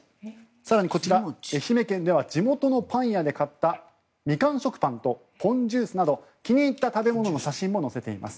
更にこちら、愛媛県では地元のパン屋で買ったミカン食パンとポンジュースなど気に入った食べ物の写真も載せています。